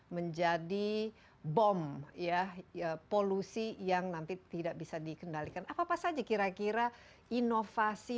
menjadi bom ya ya polusi yang nanti tidak bisa dikendalikan apa apa saja kira kira inovasi